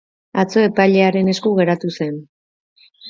Atzo epailearen esku geratu zen.